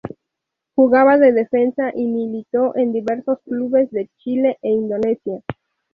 Jugaba de defensa y militó en diversos clubes de Chile e Indonesia.